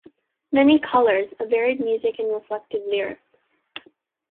Many colors, a varied music and reflective lyrics.